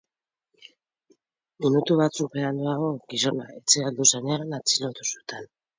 Minutu batzuk beranduago gizona etxera bueltatu zenean, atxilotu zuten.